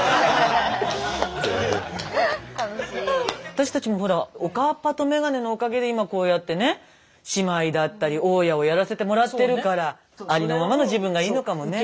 私たちもほらおかっぱと眼鏡のおかげで今こうやってね姉妹だったり大家をやらせてもらってるからありのままの自分がいいのかもね。